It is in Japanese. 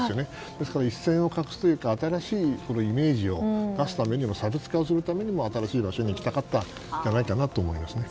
ですから一線を画すというか新しいイメージを出すためにも差別化するためにも新しい場所に行きたかったと思いますね。